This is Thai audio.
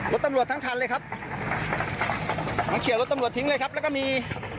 ลดตำรวจทั้งทันเลยครับโรตำรวจทิ้งเลยครับแล้วก็มี